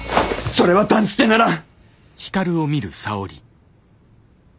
それは断じてならん！